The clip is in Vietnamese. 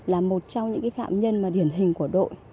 là một trong những phạm nhân mà điển hình của đội